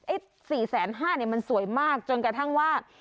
ไอ้๔๕เนี่ยมันสวยมากจนกระทั่งว่า